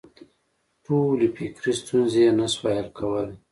ټولې فکري ستونزې یې نه شوای حل کولای.